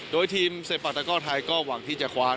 โดยทีมเซปาตะก้อไทยก็หวังที่จะคว้า